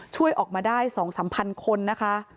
ช่วยออกมาได้๒๓๐๐คนนะคะ